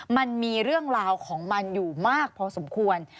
มันมีเรื่องราวของมันอยู่มากพอสมควร